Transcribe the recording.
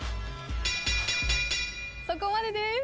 そこまでです。